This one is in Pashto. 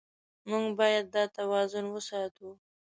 موږ باید دا توازن وساتو.